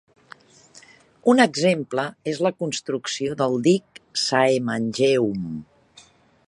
Un exemple és la construcció del dic Saemangeum.